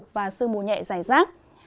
và sương mù nhẹ dài rác